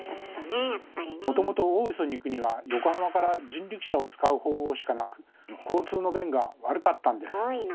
もともと大磯に行くには横浜から人力車を使う方法しかなく交通の便が悪かったんです。